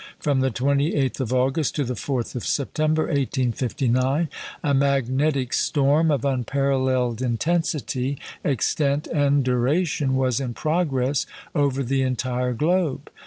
From the 28th of August to the 4th of September, 1859, a magnetic storm of unparalleled intensity, extent, and duration, was in progress over the entire globe.